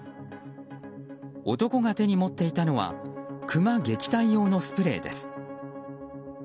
男が手に持っていたのはクマ撃退用のスプレーです。